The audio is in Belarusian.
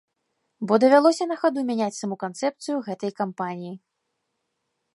Бо давялося на хаду мяняць саму канцэпцыю гэтай кампаніі.